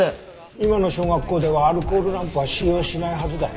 今の小学校ではアルコールランプは使用しないはずだよ。